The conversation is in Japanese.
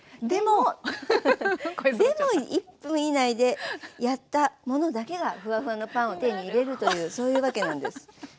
でも１分以内でやったものだけがフワフワのパンを手に入れるというそういうわけなんです。